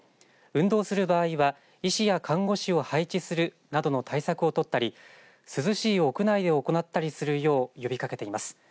運動する場合は医師や看護師を配置するなどの対策を取ったり涼しい屋内で行ったりするよう呼びかけています。